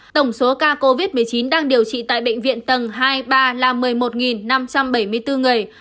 tổng số ca covid một mươi chín đang điều trị tại bệnh viện tầng hai ba là một mươi một năm trăm bảy mươi bốn người